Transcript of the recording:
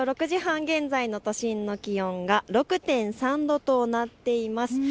６時半現在の都心の気温が６．３度となっています。